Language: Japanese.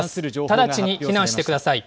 直ちに避難してください。